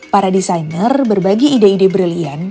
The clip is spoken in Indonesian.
para desainer berbagi ide ide brilian